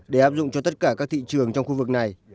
để áp dụng cho tất cả các thị trường trong khu vực này